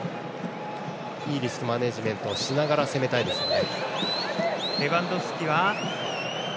いいリスクマネージメントをしながら待ちたいですね。